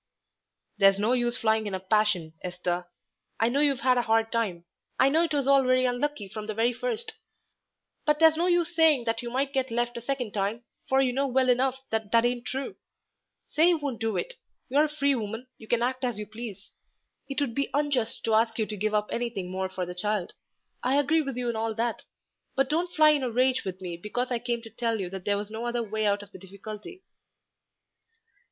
"There's no use flying in a passion, Esther. I know you've had a hard time. I know it was all very unlucky from the very first. But there's no use saying that you might get left a second time, for you know well enough that that ain't true. Say you won't do it; you're a free woman, you can act as you please. It would be unjust to ask you to give up anything more for the child; I agree with you in all that. But don't fly in a rage with me because I came to tell you there was no other way out of the difficulty."